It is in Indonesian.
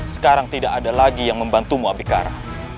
sekarang tidak ada lagi yang membantumu abikara